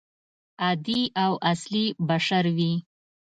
عادي او اصلي بشر وي.